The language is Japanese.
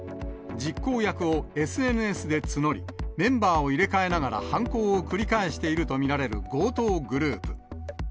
実行役をＳＮＳで募り、メンバーを入れ替えながら犯行を繰り返していると見られる強盗グループ。